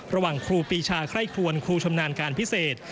ระหว่างครูปีชาไคร่คลวนครูชำนาญการพิเศษ